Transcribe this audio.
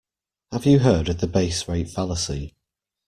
Have you heard of the base rate fallacy?